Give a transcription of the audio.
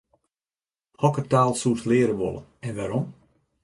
Hokker taal soest leare wolle en wêrom?